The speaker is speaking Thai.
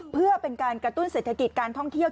เพื่อเป็นการกระตุ้นเศรษฐกิจการท่องเที่ยว